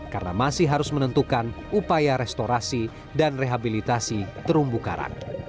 karena masih harus menentukan upaya restorasi dan rehabilitasi terumbu karang